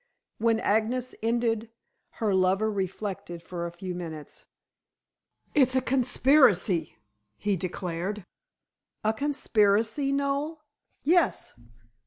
When Agnes ended, her lover reflected for a few minutes. "It's a conspiracy," he declared. "A conspiracy, Noel?" "Yes.